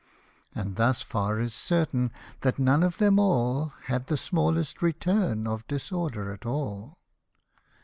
And thus far is certain, that none of them all Had the smallest return of disorder at all.